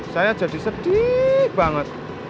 saya jadi sedih banget